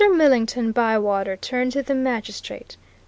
Millington Bywater turned to the magistrate.